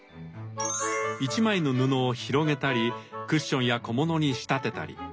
一枚の布を広げたりクッションや小物に仕立てたり。